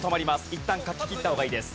いったん書ききった方がいいです。